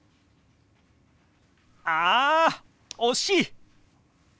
あ惜しい！